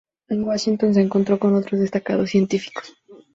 En Washington se encontró con muchos destacados científicos.